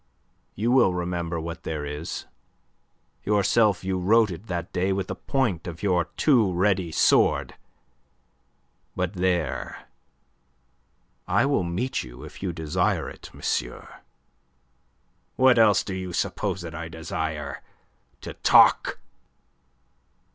You will remember what there is. Yourself you wrote it that day with the point of your too ready sword. But there. I will meet you if you desire it, monsieur." "What else do you suppose that I desire? To talk?"